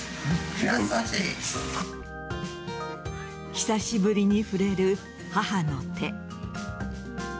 久しぶりに触れる母の手。